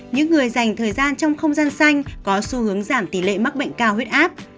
những người dành thời gian trong không gian xanh có xu hướng giảm tỷ lệ mắc bệnh cao huyết áp